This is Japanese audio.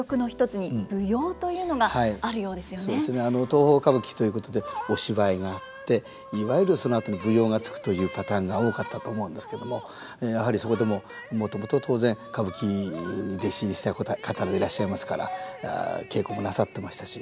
東宝歌舞伎ということでお芝居があっていわゆるそのあとに舞踊がつくというパターンが多かったと思うんですけどもやはりそこでももともと当然歌舞伎に弟子入りした方でいらっしゃいますから稽古もなさってましたし。